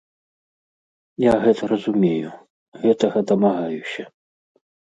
Я гэта разумею, гэтага дамагаюся.